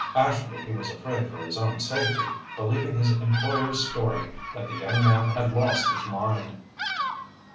Actually he was afraid for his own safety, believing his employer's story that the young man had lost his mind.